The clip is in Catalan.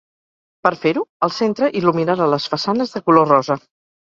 Per fer-ho, el centre il·luminarà les façanes de color rosa.